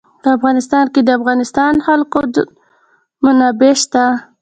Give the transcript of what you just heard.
په افغانستان کې د د افغانستان جلکو منابع شته.